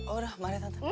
udah mari tante